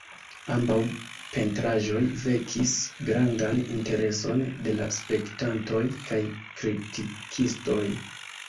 Ambaŭ pentraĵoj vekis grandan intereson de la spektantoj kaj kritikistoj.